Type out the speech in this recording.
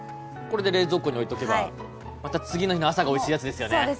これで冷蔵庫に置いとけばまた次の日の朝がおいしいやつですよね。